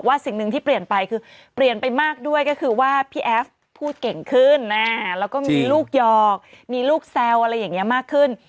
มีลูกยอกมีลูกแซวอะไรอย่างนี้มากขึ้น